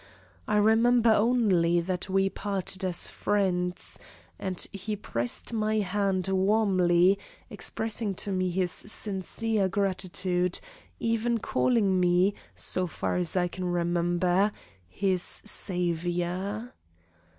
I remember only that we parted as friends, and he pressed my hand warmly, expressing to me his sincere gratitude, even calling me, so far as I can remember, his "saviour."